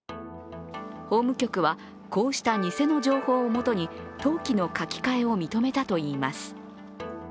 法務局は、こうした偽の情報を基に登記の書き換えを認めたといいます。